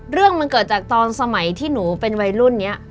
เรื่องมันเกิดจากตอนสมัยที่หนูเป็นวัยรุ่นนี้